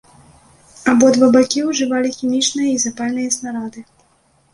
Абодва бакі ўжывалі хімічныя і запальныя снарады.